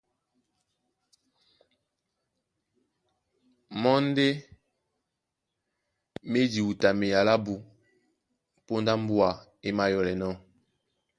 Mɔ́ ndé má e diwutamea lábū póndá mbúa é mayɔ́lɛnɔ̄,